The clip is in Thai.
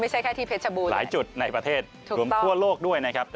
แค่ที่เพชรบูรณ์หลายจุดในประเทศรวมทั่วโลกด้วยนะครับ